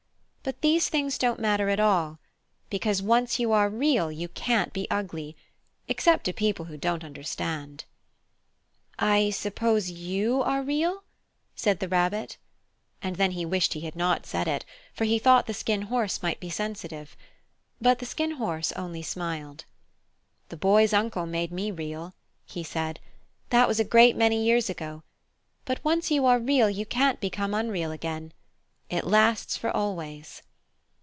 But these things don't matter at all, because once you are Real you can't be ugly, except to people who don't understand." "I suppose you are real?" said the Rabbit. And then he wished he had not said it, for he thought the Skin Horse might be sensitive. But the Skin Horse only smiled. The Skin Horse Tells His Story "The Boy's Uncle made me Real," he said. "That was a great many years ago; but once you are Real you can't become unreal again. It lasts for always."